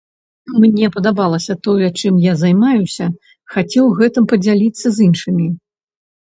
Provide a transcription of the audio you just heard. Мне падабалася тое, чым я займаюся, хацеў гэтым падзяліцца з іншымі.